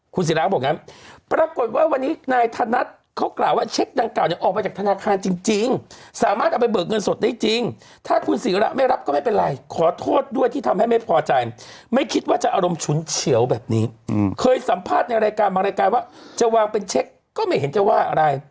คุณศิราบอกงั้นปรากฏว่าวันนี้นายธนัดเขากล่าวว่าเช็คดังกล่าเนี่ยออกมาจากธนาคารจริงสามารถเอาไปเบิกเงินสดได้จริงถ้าคุณศิราไม่รับก็ไม่เป็นไรขอโทษด้วยที่ทำให้ไม่พอใจไม่คิดว่าจะอารมณ์ฉุนเฉียวแบบนี้เคยสัมภาษณ์ในรายการบางรายการว่าจะวางเป็นเช็คก็ไม่เห็นจะว่าอะไร